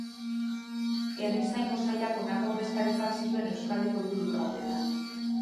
Herrizaingo Sailak honako ordezkaritzak zituen Euskadiko hiru lurraldeetan.